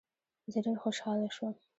زه ډېر خوشاله شوم.